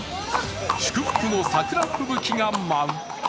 祝福の桜吹雪が舞う。